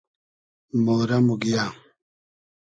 مۉرۂ موگیۂ